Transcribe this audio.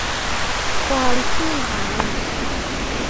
ควอลิตี้เฮ้าส์